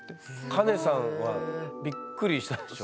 カネさんはびっくりしたでしょ？